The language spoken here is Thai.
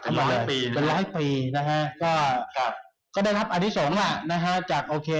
เป็น๑๐๐ปีนะฮะก็ได้รับอธิสงค์ล่ะจากโอเค